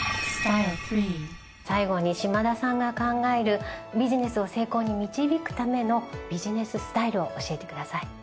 最後に島田さんが考えるビジネスを成功に導くためのビジネススタイルを教えてください。